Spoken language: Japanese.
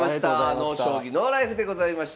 「ＮＯ将棋ＮＯＬＩＦＥ」でございました。